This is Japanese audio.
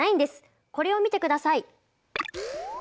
これを見てください。